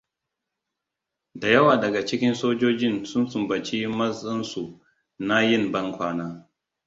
Da yawa daga cikin sojojin sun sumbaci mazansu na yin ban kwana.